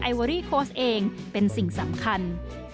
เวอรี่โค้ชเองเป็นสิ่งสำคัญ